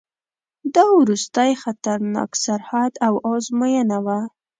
دا وروستی خطرناک سرحد او آزموینه وه.